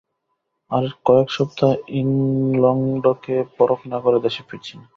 আর কয়েক সপ্তাহ ইংলণ্ডকে পরখ না করে দেশে ফিরছি না।